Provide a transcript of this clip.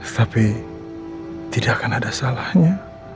tapi tidak akan ada salahnya